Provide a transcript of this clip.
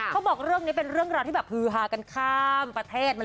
บอกเรื่องนี้เป็นเรื่องราวที่แบบฮือฮากันข้ามประเทศ